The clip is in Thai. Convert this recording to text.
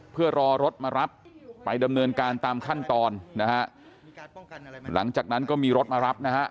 เพื่อรอรถมารับไปดำเนินการตามขั้นตอนนะฮะหลังจากนั้นก็มีรถมารับนะฮะ